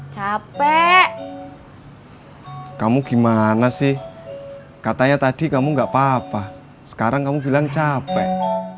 capek kamu gimana sih katanya tadi kamu enggak apa apa sekarang kamu bilang capek